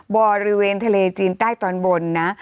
บริเวณทะเลจีนใต้ตอนบนนะ